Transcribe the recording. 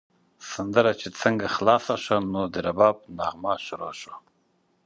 سندره چې څنګه خلاصه شوه، نو د رباب نغمه شروع شوه.